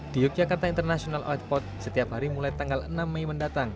di yogyakarta international outpot setiap hari mulai tanggal enam mei mendatang